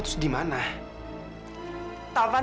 gue ingin tietau kan